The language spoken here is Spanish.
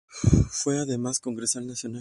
Fue además Congresal Nacional.